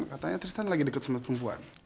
katanya tristan lagi dekat sama perempuan